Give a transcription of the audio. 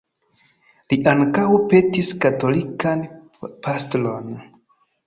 Li ankaŭ petis katolikan pastron.